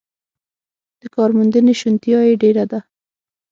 د کارموندنې شونتیا یې ډېره ده.